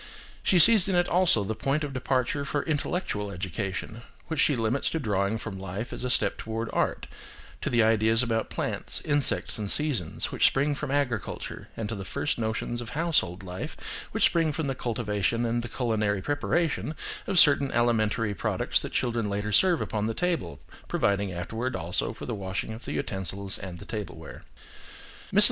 She sees in it also the point of departure for intellectual education, which she limits to drawing from life as a step toward art, to the ideas about plants, insects, and seasons, which spring from agriculture, and to the first notions of household life, which spring from the cultivation and the culinary preparation of certain alimentary products that children later serve upon the table, providing afterwards also for the washing of the utensils and tableware. Mrs.